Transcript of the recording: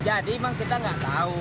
jadi bang kita nggak tahu